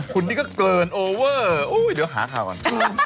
คุณนี่ก็เกินโอเวอร์เดี๋ยวหาข่าวก่อน